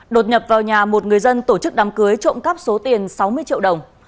đột nhập vào nhà một người dân tổ chức đám cưới trộm cắp số tiền sáu mươi triệu đồng